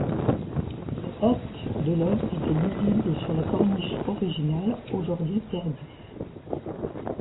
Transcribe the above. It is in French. La date de l'œuvre était lisible sur la corniche originale aujourd'hui perdue.